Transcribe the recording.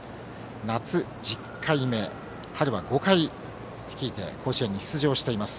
夏１０回目、春は５回甲子園に出場しています。